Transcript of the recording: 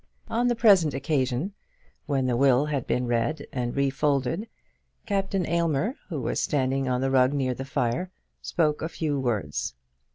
On the present occasion, when the will had been read and refolded, Captain Aylmer, who was standing on the rug near the fire, spoke a few words.